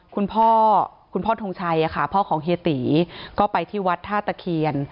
คุณพ่อทงชัยพ่อของเฮียตี๋ก็ไปที่วัดธาตุเขียน